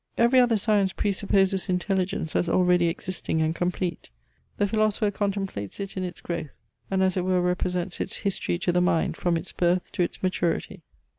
Every other science presupposes intelligence as already existing and complete: the philosopher contemplates it in its growth, and as it were represents its history to the mind from its birth to its maturity.